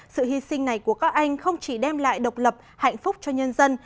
sự hy sinh này của các anh không chỉ đem lại độc lập hạnh phúc cho nhân dân